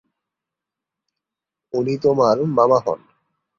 উনি তোমার মামা হন।